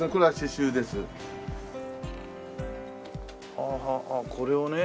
ああこれをね。